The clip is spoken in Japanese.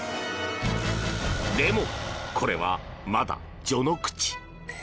でもこれは、まだ序の口。